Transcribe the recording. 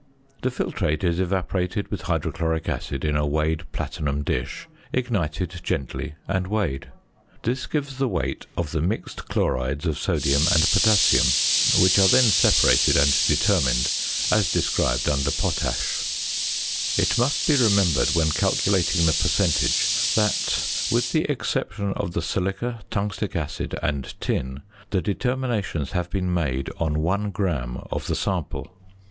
The filtrate is evaporated with hydrochloric acid in a weighed platinum dish, ignited gently, and weighed. This gives the weight of the mixed chlorides of sodium and potassium; which are then separated and determined as described under Potash. It must be remembered when calculating the percentage that (with the exception of the silica, tungstic acid, and tin) the determinations have been made on 1 gram of the sample.